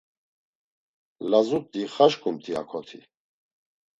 Lazut̆i xaşǩumti hakoti?